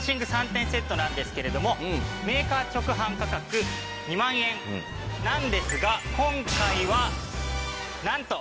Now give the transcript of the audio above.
３点セットなんですけれどもメーカー直販価格２万円なんですが今回はなんと。